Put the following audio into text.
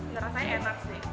ngerasanya enak sih